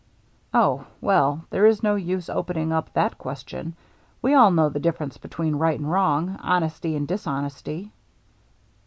" Oh, well, there is no use opening up that question. We all know the difference between right and wrong, honesty and dishonesty."